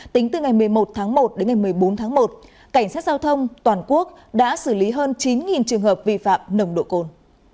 tính từ ngày một mươi một tháng một đến ngày một mươi bốn tháng một cảnh sát giao thông toàn quốc đã xử lý hơn chín trường hợp vi phạm nồng độ cồn